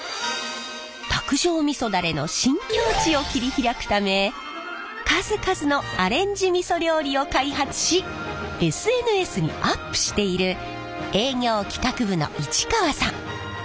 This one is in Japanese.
卓上みそダレの新境地を切り開くため数々のアレンジ味噌料理を開発しＳＮＳにアップしている営業・企画部の市川さん。